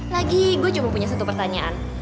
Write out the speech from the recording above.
lagi gue cuma punya satu pertanyaan